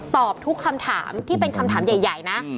ตอบทุกคำถามที่เป็นคำถามใหญ่นะ